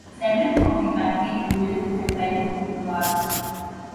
Several of the factories and mills had private wharves.